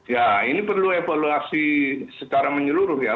ya ini perlu evaluasi secara menyeluruh ya